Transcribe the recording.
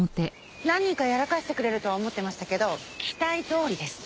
何かやらかしてくれるとは思ってましたけど期待どおりです。